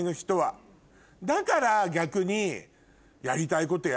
だから逆に。